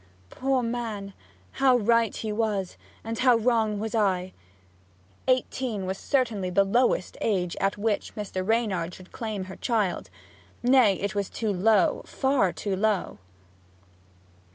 'Poor man! how right he was, and how wrong was I!' Eighteen was certainly the lowest age at which Mr. Reynard should claim her child nay, it was too low! Far too low!